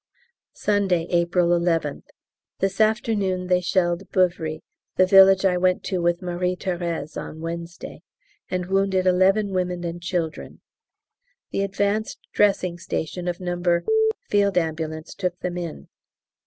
Sunday, April 11th. This afternoon they shelled Beuvry (the village I went to with Marie Thérèse on Wednesday) and wounded eleven women and children; the advanced dressing station of No. F.A. took them in.